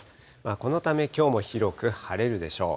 このためきょうも広く晴れるでしょう。